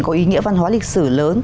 có ý nghĩa văn hóa lịch sử lớn